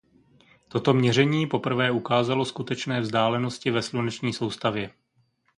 Toto měření poprvé ukázalo skutečné vzdálenosti ve sluneční soustavě.